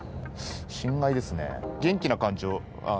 心外ですね。